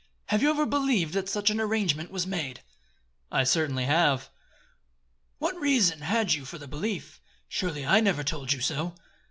Have you ever believed that such an arrangement was made?" "I certainly have." "What reason had you for the belief? Surely I never told you so."